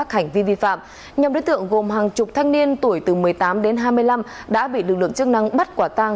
các hành vi vi phạm nhóm đối tượng gồm hàng chục thanh niên tuổi từ một mươi tám đến hai mươi năm đã bị lực lượng chức năng bắt quả tang